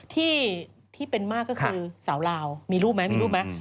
ที่เป็นมากก็คือสาวลาวมีรูปไหมมีรูปไหม